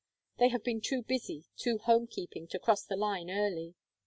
They have been too busy, too home keeping, to cross the line early.